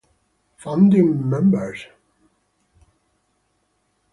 Founding Members